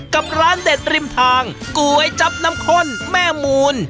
กับร้านเด็ดริมทางก๋วยจับน้ำข้นแม่มูล